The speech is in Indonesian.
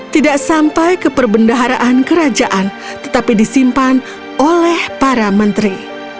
tidak sampai ke perbendaharaan kerajaan tetapi disimpan oleh para menteri